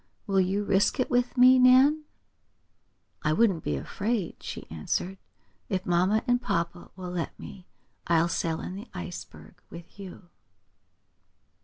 Will you risk it with me, Nan?" "I wouldn't be afraid," she answered. "If mamma and papa will let me I'll sail in the Ice Bird with you."